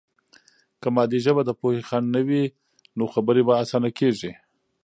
که مادي ژبه د پوهې خنډ نه وي، نو خبرې به آسانه کیږي.